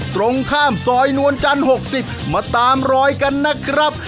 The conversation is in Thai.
ตรงข้ามซอยนวลจันทร์๖๐มาตามรอยกันนะครับ